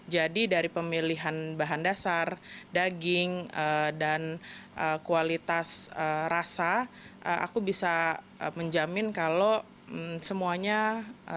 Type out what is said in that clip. jadi dari pemilihan bahan dasar daging dan kualitas rasa aku bisa menjamin kalau semuanya rasanya enak